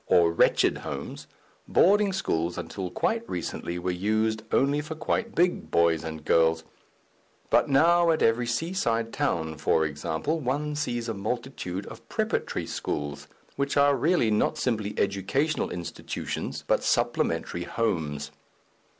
g._), or wretched homes, boarding schools until quite recently were used only for quite big boys and girls. But now, at every seaside town, for example, one sees a multitude of preparatory schools, which are really not simply educational institutions, but supplementary homes.